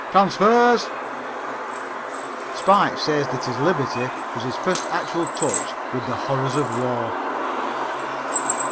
Transfers!)" "Spike" says that his liberty was his first actual touch with the horrors of war.